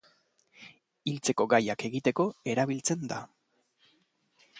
Hiltzeko gaiak egiteko erabiltzen da.